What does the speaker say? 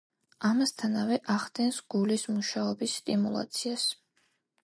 ამასთანავე ახდენს გულის მუშაობის სტიმულაციას.